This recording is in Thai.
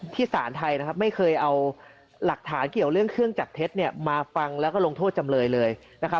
สารไทยไม่เคยเอาหลักฐานเกี่ยวเรื่องเครื่องจับเท็จมาฟังแล้วก็ลงโทษจำเลยเลยนะครับ